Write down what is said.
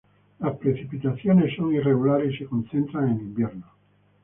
Las precipitaciones son irregulares y se concentran en invierno.